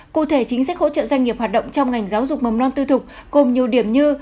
cụ thể chính sách hỗ trợ doanh nghiệp hoạt động trong ngành giáo dục mầm non tư thục gồm nhiều điểm như